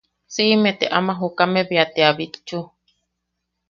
Siʼime te ama jokame bea te a bitchu.